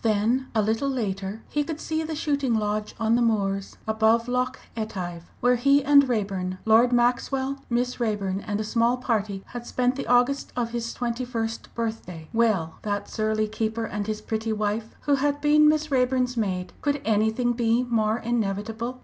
Then a little later he could see the shooting lodge on the moors above Loch Etive, where he and Raeburn, Lord Maxwell, Miss Raeburn, and a small party had spent the August of his twenty first birthday. Well that surly keeper, and his pretty wife who had been Miss Raeburn's maid could anything be more inevitable?